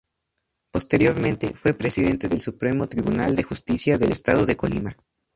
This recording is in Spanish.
Posteriormente, fue Presidente del Supremo Tribunal de Justicia del Estado de Colima.